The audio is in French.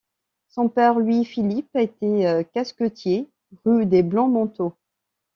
Son père, Louis Philippe, était casquettier, rue des Blancs-Manteaux.